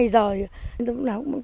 có nghĩa là tôi không